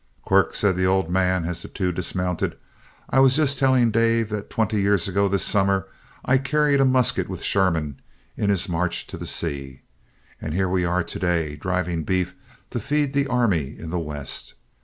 "Quirk," said the old man, as the two dismounted, "I was just telling Dave that twenty years ago this summer I carried a musket with Sherman in his march to the sea. And here we are to day, driving beef to feed the army in the West.